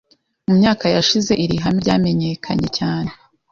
Mu myaka yashize iri hame ryamenyekanye cyane. .